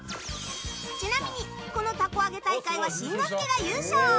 ちなみに、このたこ揚げ大会はしんのすけが優勝！